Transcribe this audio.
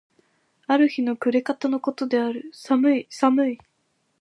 ある日の暮方の事である。寒い寒い。